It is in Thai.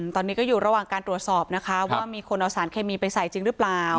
ตอนนี้ก็อยู่ระหว่างการตรวจสอบนะคะว่ามีคนเอาสารเคมีไปใส่จริงหรือเปล่า